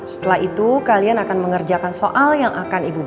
setelah itu kalian akan mengerjakan soal yang i ts dikan